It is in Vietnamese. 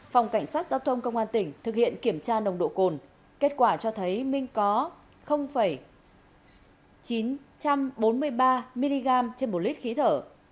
phòng cảnh sát giao thông công an tỉnh thực hiện kiểm tra nồng độ cồn kết quả cho thấy minh có chín trăm bốn mươi ba mg trên một lít khí thở